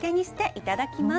いただきます。